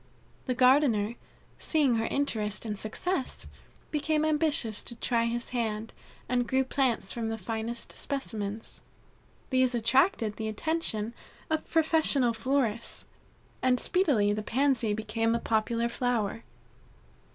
The gardener, seeing her interest and success, became ambitious to try his hand, and grew plants from the finest specimens. These attracted the attention of professional florists, and speedily the Pansy became a popular flower.